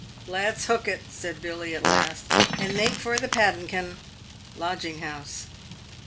"Let's hook it," said Billy, at last, "and make for the 'padden ken' (lodging house)."